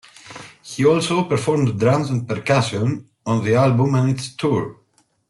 He also performed drums and percussion on the album and its tour.